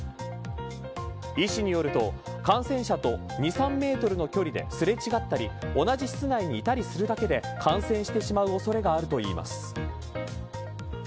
医師によると感染者と２、３メートルの距離ですれ違ったり同じ室内にいたりするだけで感染してしまう恐れがあるといいます。